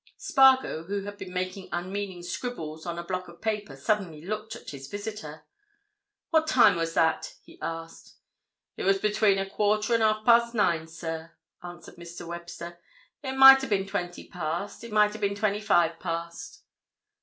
Spargo, who had been making unmeaning scribbles on a block of paper, suddenly looked at his visitor. "What time was that?" he asked. "It was between a quarter and half past nine, sir," answered Mr. Webster. "It might ha' been twenty past—it might ha' been twenty five past."